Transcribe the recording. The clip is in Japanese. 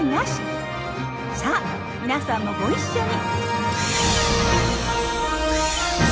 さあ皆さんもご一緒に！